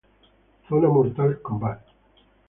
Zona Mortal Kombat